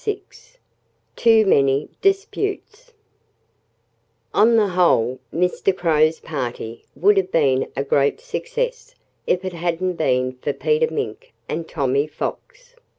VI Too Many Disputes On the whole, Mr. Crow's party would have been a great success if it hadn't been for Peter Mink and Tommy Fox.